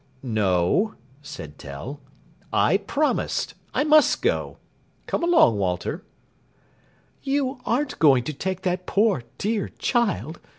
"No," said Tell; "I promised. I must go. Come along, Walter." "You aren't going to take that poor dear child?